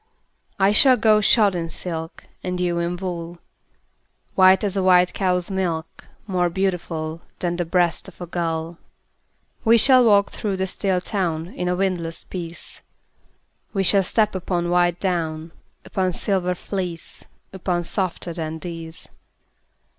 I shall go shod in silk, And you in wool, White as a white cow's milk, More beautiful Than the breast of a gull. We shall walk through the still town In a windless peace; We shall step upon white down, Upon silver fleece, Upon softer than these.